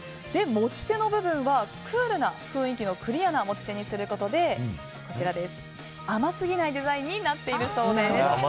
持ち手の部分はクールな雰囲気のクリアな持ち手にすることで甘すぎないデザインになっているそうです。